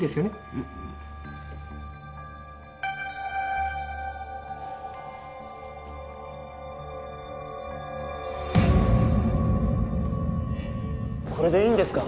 うんこれでいいんですか？